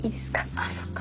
あっそっか。